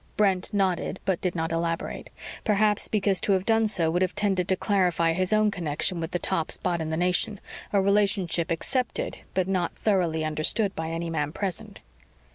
Brent nodded but did not elaborate, perhaps because to have done so would have tended to clarify his own connection with the top spot in the nation; a relationship accepted but not thoroughly understood by any man present.